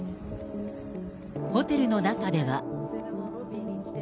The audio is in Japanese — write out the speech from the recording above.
ホテルの中では。